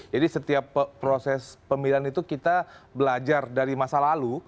jadi setiap proses pemilihan itu kita belajar dari masa lalu